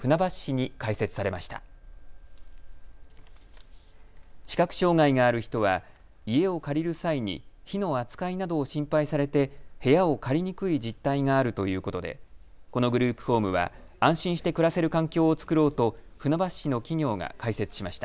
視覚障害がある人は家を借りる際に火の扱いなどを心配されて部屋を借りにくい実態があるということでこのグループホームは安心して暮らせる環境を作ろうと船橋市の企業が開設しました。